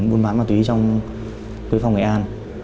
buôn bán ma túy trong quế phong nghệ an